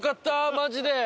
マジで。